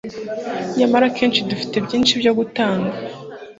nyamara akenshi dufite byinshi byo gutanga